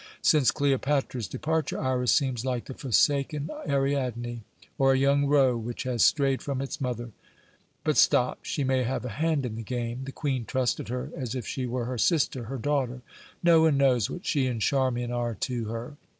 Since Cleopatra's departure, Iras seems like the forsaken Ariadne, or a young roe which has strayed from its mother. But stop; she may have a hand in the game: the Queen trusted her as if she were her sister, her daughter. No one knows what she and Charmian are to her.